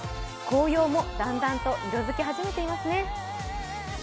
紅葉も、だんだんと色づき始めていますね。